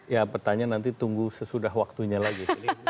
ya pertanyaan nanti tunggu sesudah waktunya lagi